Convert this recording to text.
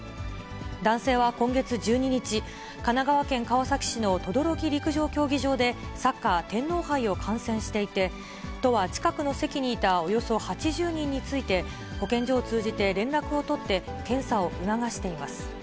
男性は今月１２日、神奈川県川崎市の等々力陸上競技場でサッカー天皇杯を観戦していて、都は、近くの席にいたおよそ８０人について、保健所を通じて連絡を取って、検査を促しています。